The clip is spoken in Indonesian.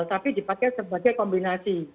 tapi dipakai sebagai kombinasi